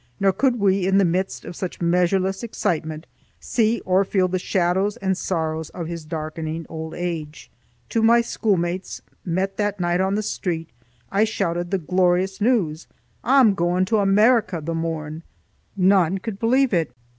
Nor could we in the midst of such measureless excitement see or feel the shadows and sorrows of his darkening old age. To my schoolmates, met that night on the street, I shouted the glorious news, "I'm gan to Amaraka the morn!" None could believe it.